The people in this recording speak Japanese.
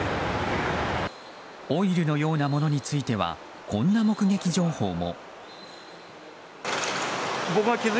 オイルのようなものについてはこんな目撃情報も。